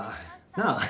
なあ？